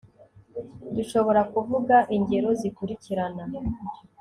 Dushobora kuvuga ingero zikurikirana